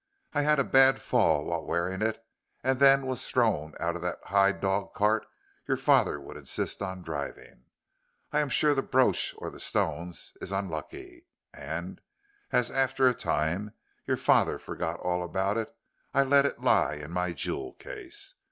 I had a bad fall while wearing it, and then was thrown out of that high dog cart your father would insist on driving. I am sure the brooch or the stones is unlucky, and, as after a time your father forgot all about it, I let it lie in my jewel case.